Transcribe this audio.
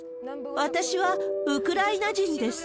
私はウクライナ人です。